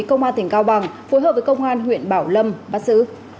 công an tỉnh cao bằng phối hợp với công an huyện bảo lâm bắt giữ